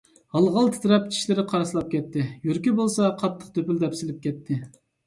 غال - غال تىترەپ، چىشلىرى قاراسلاپ كەتتى، يۈرىكى بولسا قاتتىق دۈپۈلدەپ سېلىپ كەتتى.